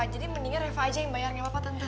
jadi mendingan reva aja yang bayar gak apa apa tante